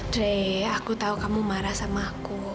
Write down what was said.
dray aku tahu kamu marah sama aku